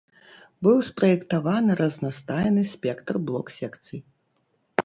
Быў спраектаваны разнастайны спектр блок-секцый.